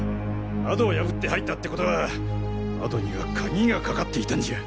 窓を破って入ったってことは窓には鍵が掛かっていたんじゃ？